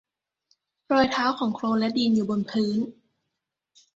รอยเท้าของโคลนและดินอยู่บนพื้น